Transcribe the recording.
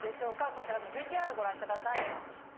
こちらのＶＴＲをご覧ください。